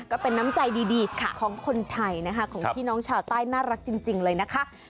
ก็เป็นน้ำใจดีของคนไทยนะคะของพี่น้องชาวใต้น่ารักจริงเลยนะคะ